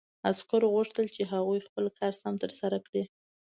عسکرو غوښتل چې هغوی خپل کار سم ترسره کړي